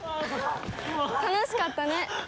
楽しかったね。